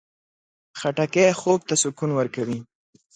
خټکی خوب ته سکون ورکوي.